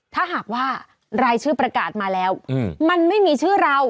ถ้าหากว่ารายชื่อประกาศมาแล้วมันไม่มีชื่อเรา